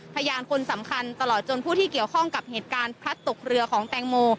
พยานคนสำคัญตลอดจนผู้ที่เกี่ยวข้องกับเหตุการณ์พลัดตกเรือของแตงโม